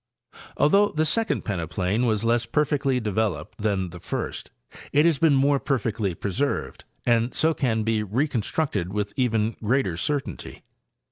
Although the second peneplain was less perfectly developed than the first, it has been more perfectly preserved, and so can be reconstructed with even greater certainty.